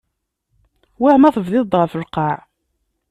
Wah ma tebdiḍ-d ɣef lqaε?